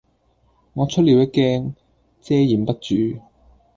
我出了一驚，遮掩不住；